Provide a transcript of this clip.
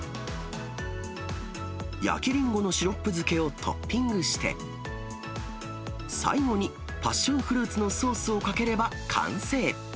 焼きリンゴのシロップ漬けをトッピングして、最後にパッションフルーツのソースをかければ完成。